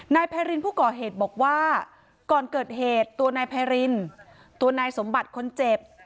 นายไพรินผู้ก่อเหตุบอกว่าก่อนเกิดเหตุตัวนายไพรินตัวนายสมบัติคนเจ็บ